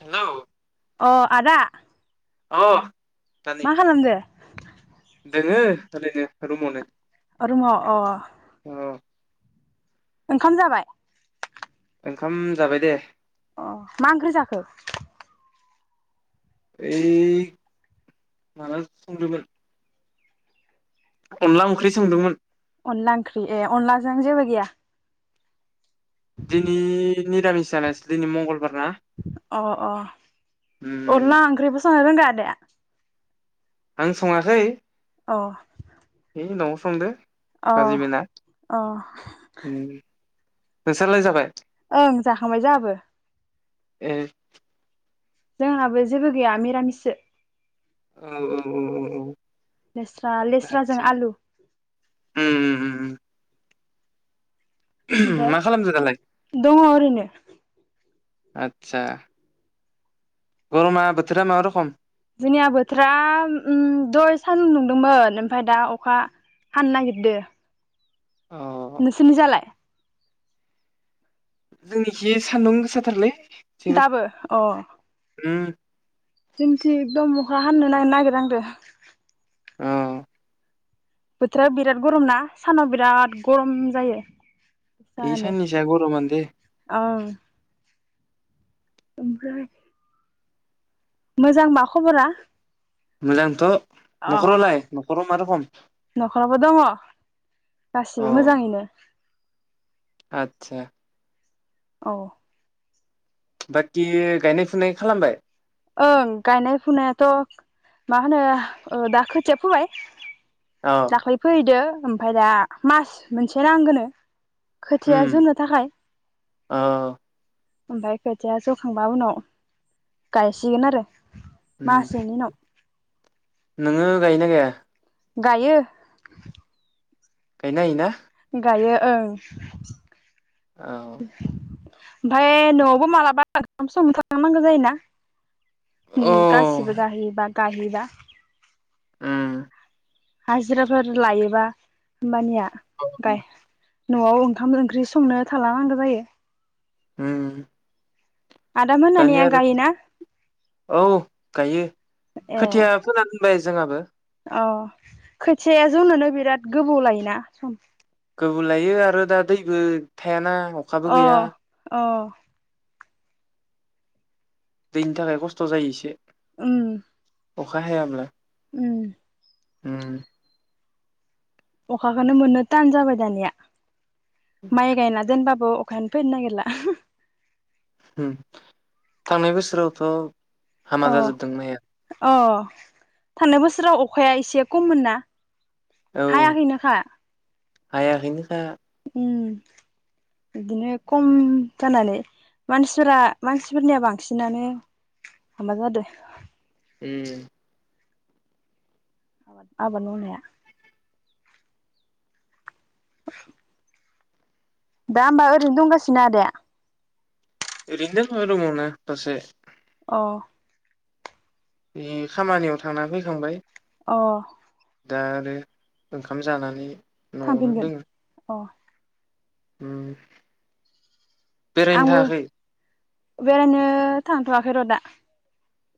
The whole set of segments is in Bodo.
हेल' अ आदा। अ नानि मा खालामदो दोङो ओरैनो रुमावनो। रुमआव अ। अ ओंखाम जाबाय? ओंखाम जाबाय दे। अ मा ओंख्रि जाखो? ऐ माबा संदोंमोन अनला ओंख्रि सोंदोंमोन। अनला ओंख्रि ए अनलाजों जेबो गैया? दिनै निरामिस जानायसो दिनै मंगल अ अ उम अनला ओंख्रिबो सं रोंगौ आदाया? आं सङासै अ। है नआव संदो। अ बाजैमोना अ। नोंसोरलाय जाबाय? ओं जाखांबाय जाहाबो। ए। जोंहाबो जेबो गैया मिरामिससो। औ औ औ औ। लेस्रा लेस्राजों आदसा आलु उम उम उम उम ओमफ्राय मा खालामदो दालाय दङ' ओरैनो। आतसा। गरमा बोथोरा मा रखम? जोंनिया बोथोरा दय सान नुदोंमोन ओमफ्राय दा अखा हाननो नागिरदो। अ। नोंसोरनि जालाय? जोंनिखि सान्दुं गोसाथारलै। जोबोर दाबो अ। उम जोंथि एकदम अखा हामनो नायनो नागिरांदो। ओ। बोथोरा बिराद गरम ना सानाव बिराद गरम जायो। बे जानो सानैसोया गरमानो दे। ओं ओमफ्राय मोजां बा खबरा? मोजांथ' अ न'खरावलाय न'खराव मा रखम नखरावबो दङ गासिबो मोजाङैनो आतसा औ बाखि गायनाय फुनाय खालामबाय ओं गायनाय फुनायाथ' मा होनो दा खोथिया फोबाय अ दाख्लै फैहैदो ओमफ्राय दा मास मोनसे नांगोननो खोथिया जौनो थाखाय ओ ओ ओमफफ्राय खोथिया जौखांबा उनाव गायसिगोन आरो उम मासेनि उनाव नोङो गायो ना गाया गायो गाय नो हायो ना गायो ओं औ ओमफाय न'आवबो मालाबा ओंखाम संनो थालां नांगौ जायोना उम अ गासिबो जाहोयोबा गाहैबा उम हाजिराफोर लायोबा होमबानिया गाय [unintelligible] न'आव ओंखाम ओंख्रि संनो थालां नांगौ जायो। हुम आदाम होननानिया दानिया गायोना आरो औ गायो ए खोथिया फोना दोनबाय जोंहाबो अ खोथियाया जौनोनो बिराद गोबौ लायोना सम गोबाव लायो आरो दा दैबो थायाना। अखाबो अ गैया अ दैनि थाखाय खस्थ' जायो इसे। उम अखा हायाब्ला। उम उम अखाखौनो मोननो थान जाबाय दानिया माइ गायना दोनबाबो अखायानो फैनो नागिरला ओहु। उम थांनाय बोसोरावथ' हामा अ जाजोबदों माइया अ थांनाय बोसोराव अखाया एसे खममोन ना हायाखैनो खा हायाखैनो खा उम बिदिनो खम जानानै मानसिफोरा मानसिफोरनिया बांसिनानो माबा जादों उम। आबाद मावनाया। [unintelligible] दा होमबा ओरैनो दंगासिनो आदाया? ओरैनो दोङो रुमावनो दसे। अ। बे खामानियाव थांना फैखांबाय। अ। दा आरो ओंखाम जानानै न'आवनो थांफिनगोन? दोङो अ। उम। बेरायनो आंबो थाङाखै? बेरायनो थांथ'वाखै र' दा।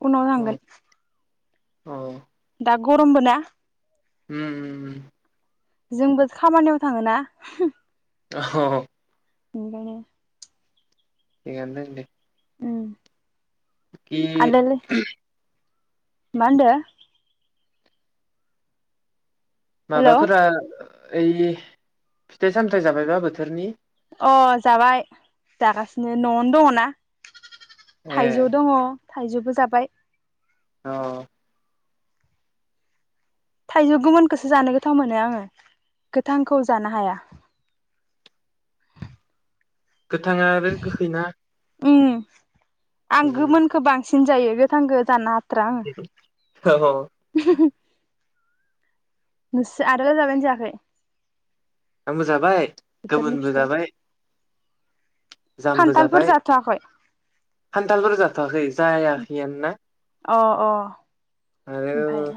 उनाव अ थांगोन। अ। दा गरमबो ना? उम उम उम। जोंबो खामानियाव थाङोना अ [unintelligible] बिनिखायनो थिखानो दं दे। ओम। कि [unintelligible] मा होन्दो? हेलौ माबाफोरा ओइ फिथाइ सामथाइ जाबायबा बोथोरनि? अ जाबाय जागासिनो नआवनो दङ ना। ए थाइजौ दङ थाइजौबो जाबाय। औ। थाइजौ गोमोनखौसो जानो गोथाव मोनो आङो गोथांखौ जानो हाया। गोथाङा आरो गोखैना ओम। आं उम गोमोनखौ बां सिन जायो गोथांखो जानो हाथा थ्रा औ आङो। नोंसोर आदायालाय जाबायना जायाखै? आंबो जाबाय। बोथोरनि गोमोनबो फिथाइ जाबाय जामबो खान्थालफोर जाबाय जाथ'वाखै खान्थालफोर जाथआखै जायाखैयानो ना अ अ ओमफाय आरो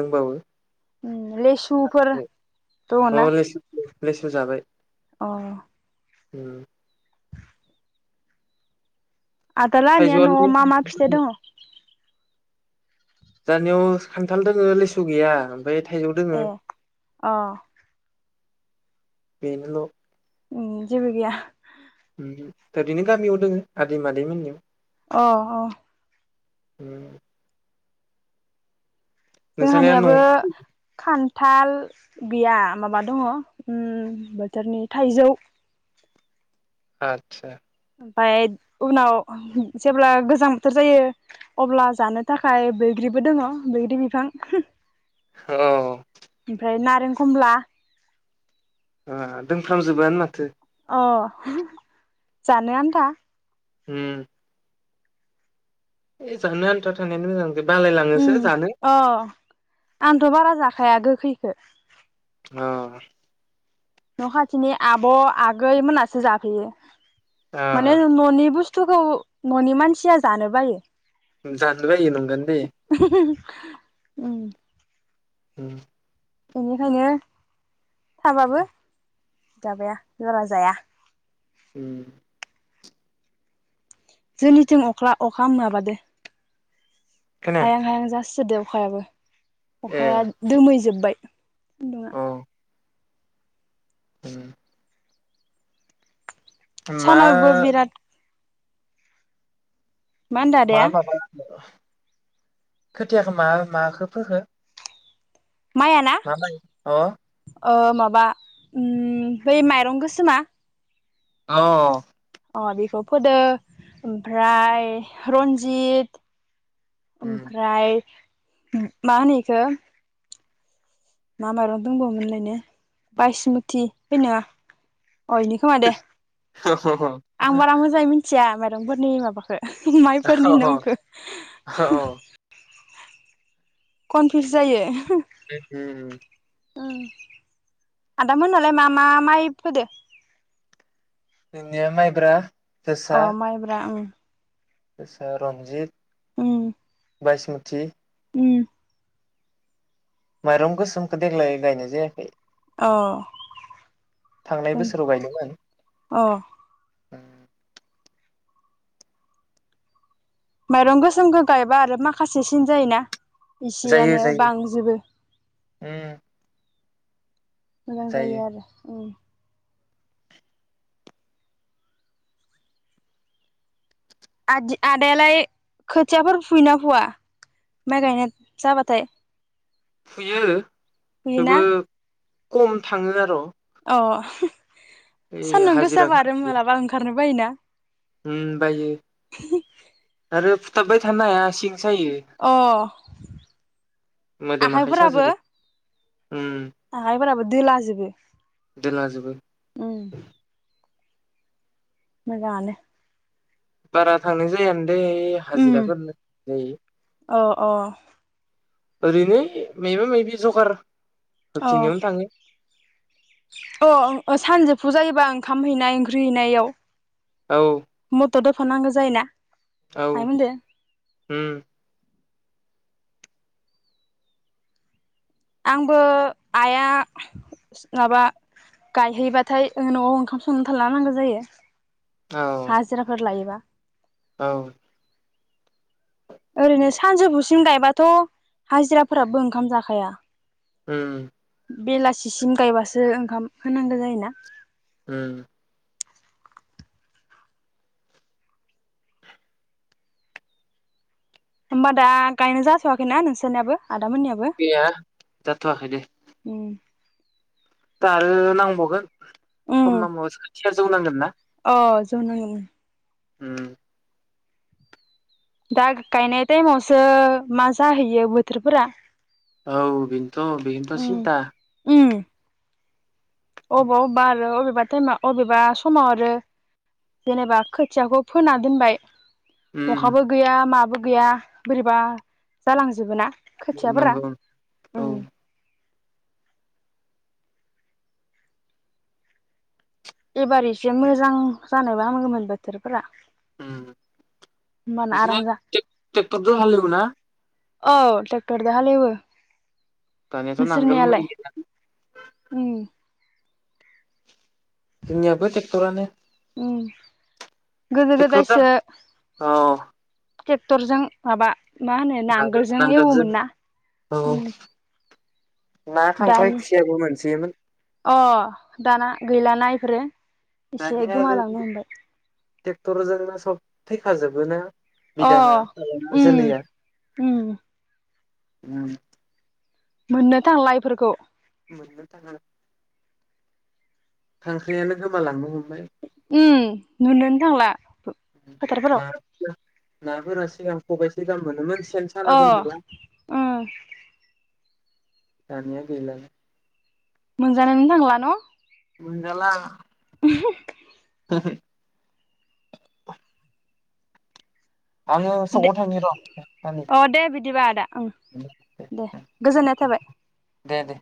दंबावो उम लेसुफोर अ दङ ना लेसु लेसु जाबाय अ उम आदालानिया नआव थाइजौआनो मा मा फिथाइ दङ जाहानियाव खान्थाल दं लेसु गैया ओमफ्राय थाइजौ दोङो ए अ बेनोल ओम जेबो गैया उहु ओरैनो गामियाव दोङो आदै मादै मोननियाव अ अ ओम नोंसानिया न' जोंहानियाबो खान थाल गैया माबा दङ बोथोरनि थाइजौ आतसा ओमफाय उनाव जेब्ला गोजां बोथोर जायो अब्ला जानो थाखाय बैग्रिबो दोंङो बैग्रि बिफां औ ओमफ्राय ना नारें खमला ओ दोंफ्रामजोबोआनो माथो अ जानो आनथा उम ए जानो आन्था थानायानो मोजां बालायलाङोसो उम जानो अ आंथ' बारा जाखा खाया गोखैखो अ न' खाथिनि आब' आगै मोनासो जाफैयो। माने अ न'नि बुस स्थुखौ न'नि मानसिया जानो बायो। जानोबायो नंगोआनोदे उम उम बेनिखायनो थाबाबो जाबाया बारा जाया उम जोंनिथिं अख्ला अखा माबादो खोनाया हायां हायां जासो जासोदो अखायाबो ए अखाया दोमैजोबबाय सान्दुंआ अ उम मा सानावबो बिराद होनदो मा आदाया माबा होनदो खोथियाखो मा माखो फोखो? माइयाना मा माय अ ओ माबा उम बै माइरं गोसोमा औ अ बेखौ फोदो ओमफ्राय रन्जित ओमफ्राय मा होनो इखो मा माइरं दंबावोमोनलायनो बायसमुथि है नोंङा अ इनो खोमा दे अ आं बारा मोजाङै मिथिया मायरंफोरनि माबाखौ माइफोरनि नामखौ अ कनफिउस जायो [unintelligible] ओम आदा मोनालाय मा मा माइ फोदो बिदिनो माइब्रा अ माइब्रा ओम एसे रनजित उम बाइसमुथि उम माइरं गोसोमखौ देग्लाय गायनाय जायाखै अह थांनाय बोसोराव गायदोंमोन अह [inaudible] माइरं गोसोमखौ गायबा आरो माखासे सिन जायोना जायो इसेयानो जायो बांजोबो उम मोजां जायो आरो ओम आदि आदायालाय खोथियाफोर फुयोना फुवा माइ गायनाय जाबाथाय फुयो फुयोना थेवबो खम थाङो आर' अह सान्दुं गोसाबा आरो मालाबा ओंखारनो बायोना ओम बायो आरो फुथाबबाय थानो हाया सिं सायो अह मोदोम आखाइ आखाइफोराबो साजोबो उम आखायफोराबो दोलाजोबो दोलाजोबो उम मोजाङानो बारा थांनाय जायानो दे उम हाजिराफोरनो [unintelligible] जायो अ अ ओरैनो मैबा मैबि जगार अ हैबथिंनायावनो थाङो। अ ओ सानजोबफु जायोबा ओंखाम हैनाय ओंख्रि हैनायाव औ थ' दफनांगौ जायो ना औ ओम आंबो आइआ माबा गायहैबाथाय ओ न'आव ओंखाम संनानै थालांनांगौ नांगौ जायो। औ हाजिराफोर लायोबा औ ओरैनो सानजौफुसिम गायबाथ' हाजिराफोराबो ओंखाम जाखाया। उम बेलासिसिम गायबासो ओंखाम होनांगौ जायोना। उम होमबा दा गायनो जाथ'वाखैना नोंसोरनियाबो? आदामोननियाबो गैया जाथ'आखैनो। उम दा आरो नांबावगोन सम उम नांबावगोन खोथिया जौनांगोन ना। अ जौनांगोन उम। उम दा गायनाय टाइमावसो मा जाहैयो बोथोरफोरा। औ बिनोथ' बिनोथ' उम सिन्था अबाव बार अबेबा टाइमा अबेबा समाव आरो जेनेबा खोथियाखौ फोना दोनबाय उम अखाबो गैया माबो गैया बोरैबा जालांजोबो ना। खोथियाफोरा नंगौ औ उम एबार एसे मोजां जानायबा हामगौमोन बोथोरफोरा। उम होमबाना बिदिनो आराम जा टेक-ट्रेक्टरजों हालिवो ना औ ट्रेक्टरजों हालेवो। दानियाथ' नांगोल मै नोंसोरनियालाय उम जोंनियाबो थेक्ट'रानो उम गोदो गोदायसो औ ट्रेक्टरजों माबा मा होनो नांगोलजों एवोमोन ना औ ना खांख्राय दानि खुसियाबो मोनसोयोमोन। अ दाना गैलाना इफोरो इसे दानिया आरो गोमालांनो हमबाय। ट्रेक्टरजोंनो सब थैखाजोबोना अ बिदाना फिसाज्लाना उम उम उम मोननो थांला इफोरखौ। मोननो थाङा खांख्रायानो गोमालांनो हम उम नुनोनो थांला फो फोथारफोराव। ना नाफोरा सिगां खबाइसे गाहाम मोनोमोन सेन साना अ दोनबोला ओम दानिया गैलालै मोनजानोनो थांला न मोनजाला [unintelligible] [unintelligible] आङो दे सकाव थांनि अ दे बिदिबा आदा ओं र' दे गोजोननाय थाबाय दे दे